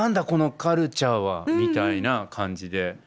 このカルチャーは」みたいな感じで。